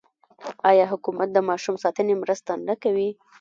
آیا حکومت د ماشوم ساتنې مرسته نه کوي؟